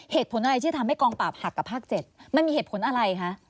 เหตุผลอะไรที่ทำให้กองปราบหักกับภาค๗มันมีเหตุผลอะไรคะ